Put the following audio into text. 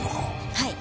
はい。